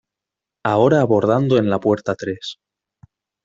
Ahora abordando en la puerta tres.